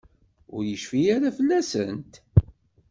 Ur yecfi ara fell-asent?